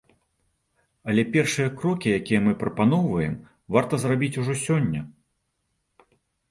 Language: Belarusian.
Але першыя крокі, якія мы прапаноўваем, варта зрабіць ужо сёння.